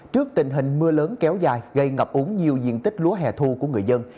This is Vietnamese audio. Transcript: trước tình hình mưa lớn kéo dài gây ngập úng nhiều diện tích lúa hẻ thu của người dân